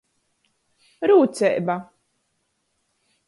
Rūceiba.